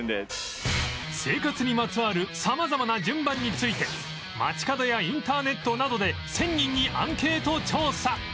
生活にまつわる様々な順番について街角やインターネットなどで１０００人にアンケート調査！